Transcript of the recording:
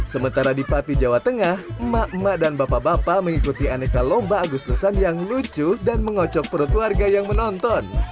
sementara di pati jawa tengah emak emak dan bapak bapak mengikuti aneka lomba agustusan yang lucu dan mengocok perut warga yang menonton